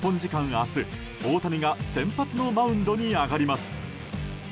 明日、大谷が先発のマウンドに上がります。